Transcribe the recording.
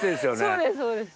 そうですそうです。